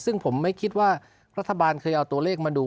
ซึ่งผมไม่คิดว่ารัฐบาลเคยเอาตัวเลขมาดู